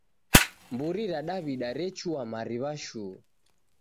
Mburi ra Daw'ida rechua mariw'a shuu.